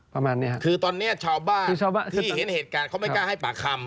ประมาณนี้ครับคือตอนนี้ชาวบ้านที่เห็นเหตุการณ์เขาไม่กล้าให้ปากคำ